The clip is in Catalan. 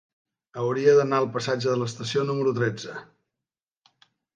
Hauria d'anar al passatge de l'Estació número tretze.